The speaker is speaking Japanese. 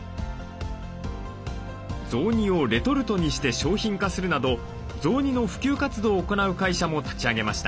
雑煮をレトルトにして商品化するなど雑煮の普及活動を行う会社も立ち上げました。